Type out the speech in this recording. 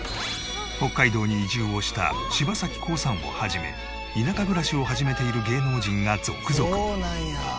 北海道に移住をした柴咲コウさんを始め田舎暮らしを始めている芸能人が続々。